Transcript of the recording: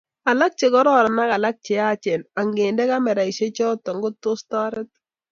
Alak che kororoon ak alak che yachen angende kameraisyechutok ko tos toret